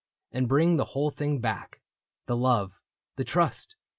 And bring the whole thing back — the love, the trust.